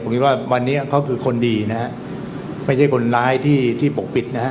ผมคิดว่าวันนี้เขาคือคนดีนะฮะไม่ใช่คนร้ายที่ที่ปกปิดนะฮะ